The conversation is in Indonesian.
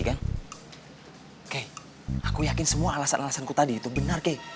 kei aku yakin semua alasan alasan ku tadi itu benar kei